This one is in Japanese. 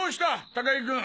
高木君！